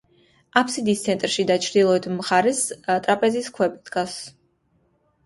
აბსიდის ცენტრში და ჩრდილოეთ მხარეს ტრაპეზის ქვები დგას.